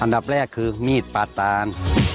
อันดับแรกคือมีดปาตาน